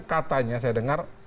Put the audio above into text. katanya saya dengar